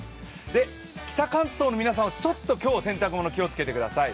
北関東の皆さん、ちょっと今日、洗濯物気をつけてください。